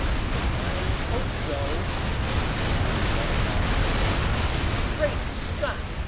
"I hope so," returned Ned doubtfully. "Great Scott!"